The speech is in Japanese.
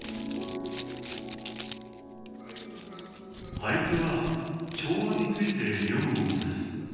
俳句は調和について詠むものです。